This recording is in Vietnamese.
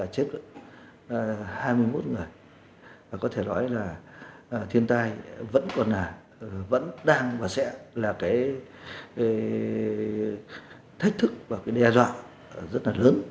chết hai mươi một người và có thể nói là thiên tai vẫn còn vẫn đang và sẽ là cái thách thức và cái đe dọa rất là lớn